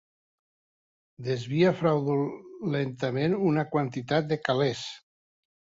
Desvia fraudulentament una quantitat de calés.